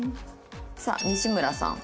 さあ西村さん。